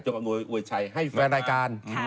อำนวยอวยชัยให้แฟนรายการ